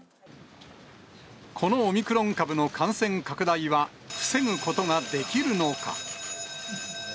このオミクロン株の感染拡大は、防ぐことができるのか。